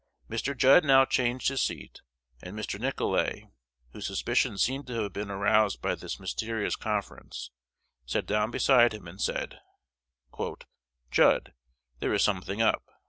Mr. Judd now changed his seat; and Mr. Nicolay, whose suspicions seem to have been aroused by this mysterious conference, sat down beside him, and said, "Judd, there is something up.